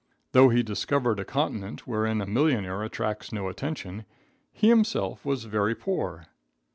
Though he discovered a continent wherein a millionaire attracts no attention, he himself was very poor.